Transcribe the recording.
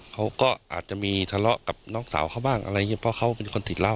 เขาก็อาจจะมีทะเลาะกับน้องสาวเขาบ้างอะไรอย่างเงี้เพราะเขาเป็นคนติดเหล้า